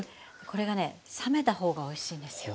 これがね冷めた方がおいしいんですよ。